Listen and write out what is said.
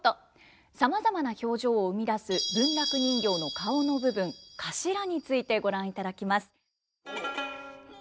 さまざまな表情を生み出す文楽人形の顔の部分「かしら」についてご覧いただきます。